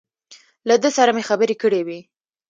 له ده سره مې خبرې کړې وې.